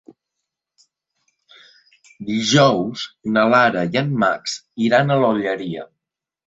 Dijous na Lara i en Max iran a l'Olleria.